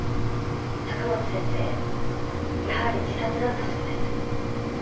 高松先生やはり自殺だったそうです。